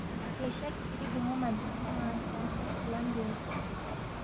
بیشک کِھری بون٘و مہ دودس نہ کھیان٘ی سر قلم بیوس